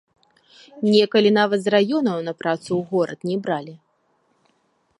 Некалі нават з раёнаў на працу ў горад не бралі.